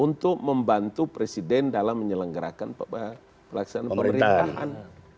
untuk membantu presiden dalam menyelenggarakan pelaksanaan pemerintahan